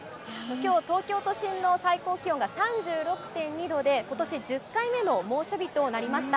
きょう、東京都心の最高気温が３６．２度で、ことし１０回目の猛暑日となりました。